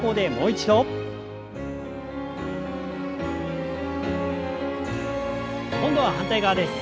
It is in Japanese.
今度は反対側です。